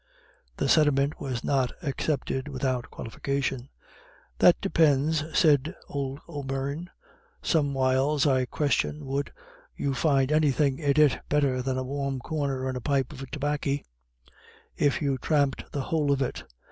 The sentiment was not accepted without qualification. "That depinds," said old O'Beirne. "Somewhiles I question wud you find anythin' in it better than a warm corner and a pipe of 'baccy, if you thramped the whole of it.